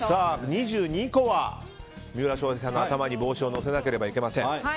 ２２個は三浦翔平さんの頭に帽子を乗せないといけません。